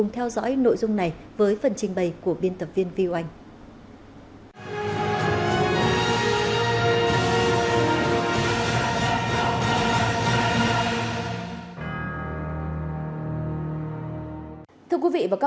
theo dõi nội dung này với phần trình bày của biên tập viên view anh ạ ừ ừ ừ ừ ừ thưa quý vị và các